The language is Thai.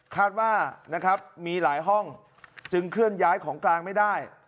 คาดว่านะครับมีหลายห้องจึงเคลื่อนย้ายของกลางไม่ได้